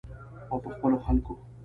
او په خپلو خلکو.